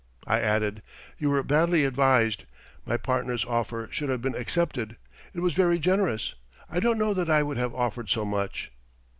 I added: "You were badly advised. My partners' offer should have been accepted. It was very generous. I don't know that I would have offered so much."